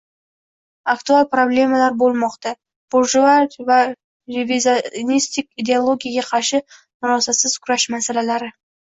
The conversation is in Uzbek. — aktual problemalar bo‘lmoqtsa. Burjua va revizionistik ideologiyaga qarshi murosasiz kurash masalalari